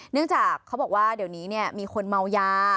เนื่องจากเขาบอกว่าเดี๋ยวนี้มีคนเมายา